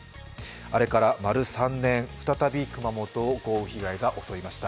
あれから丸３年、再び熊本を豪雨被害が襲いました。